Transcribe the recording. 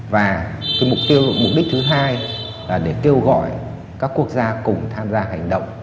và mục đích thứ hai là để kêu gọi các quốc gia cùng tham gia hành động